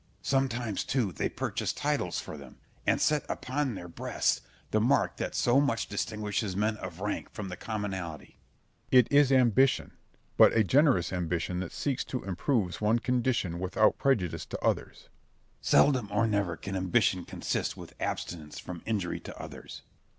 Sometimes too they purchase titles for them, and set upon their breasts the mark that so much distinguishes men of rank from the commonalty. Berg. It is ambition, but a generous ambition that seeks to improve one's condition without prejudice to others. Scip. Seldom or never can ambition consist with abstinence from injury to others.